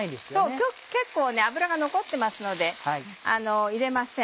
そう結構油が残ってますので入れません。